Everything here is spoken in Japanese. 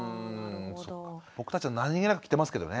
僕たちは何気なく着てますけどね。